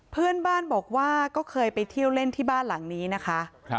เพื่อนบ้านบอกว่าก็เคยไปเที่ยวเล่นที่บ้านหลังนี้นะคะ